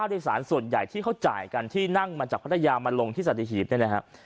วันที่สมการนี่มาจากภรรยามาลงที่สัตเทศรีบแน่นอนครับ